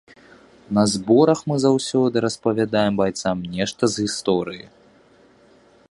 На зборах мы заўсёды распавядаем байцам нешта з гісторыі.